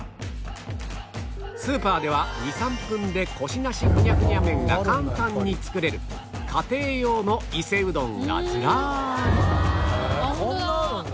スーパーでは２３分でコシなしふにゃふにゃ麺が簡単に作れる家庭用の伊勢うどんがずらりへえこんなあるんだ。